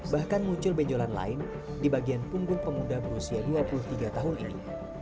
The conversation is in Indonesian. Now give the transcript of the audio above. bahkan muncul benjolan lain di bagian punggung pemuda berusia dua puluh tiga tahun ini